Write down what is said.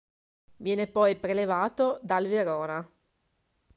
Viene poi prelevato dal Verona.